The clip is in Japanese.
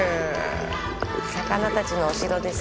魚たちのお城です